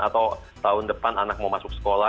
atau tahun depan anak mau masuk sekolah